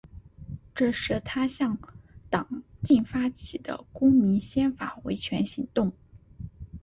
这是他向党禁发起的公民宪法维权行动。